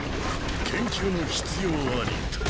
研究の必要ありと。